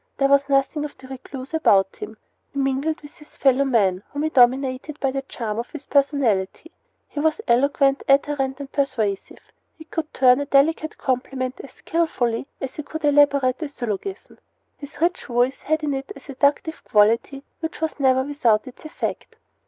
There was nothing of the recluse about him. He mingled with his fellow men, whom he dominated by the charm of his personality. He was eloquent, ardent, and persuasive. He could turn a delicate compliment as skilfully as he could elaborate a syllogism. His rich voice had in it a seductive quality which was never without its effect.